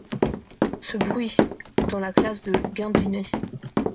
Ce bruit… dans la classe de Gindinet.